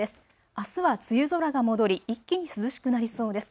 あすは梅雨空が戻り一気に涼しくなりそうです。